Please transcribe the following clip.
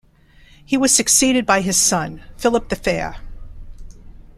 He was succeeded by his son Philip the Fair.